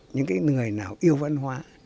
những người nào yêu văn hóa